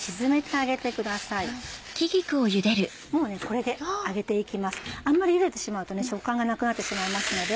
あんまりゆでてしまうと食感がなくなってしまいますので。